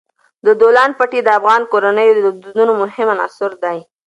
د بولان پټي د افغان کورنیو د دودونو مهم عنصر دی.